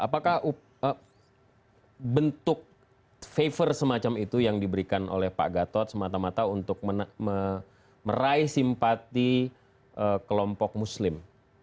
apakah bentuk favor semacam itu yang diberikan oleh pak gatot semata mata untuk meraih simpati kelompok muslim